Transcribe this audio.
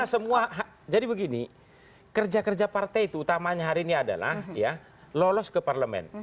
karena semua jadi begini kerja kerja partai itu utamanya hari ini adalah lolos ke parlemen